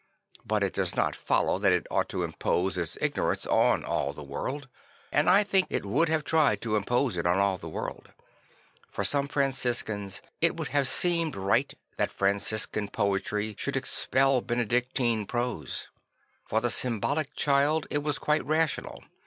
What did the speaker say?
But it does not follow that it ought to impose its ignorance on all the world. And I think it would have tried to impose it on all the world. For some Franciscans it would have seemed right that Franciscan poetry should expel Bene dictine prose. For the symbolic child it was quite rational.